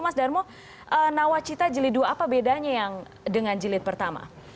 mas darmawan nawacita jelit dua apa bedanya dengan jelit pertama